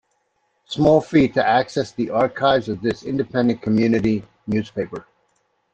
Small fee to access the archives of this independent community newspaper.